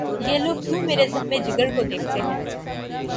یہ لوگ کیوں مرے زخمِ جگر کو دیکھتے ہیں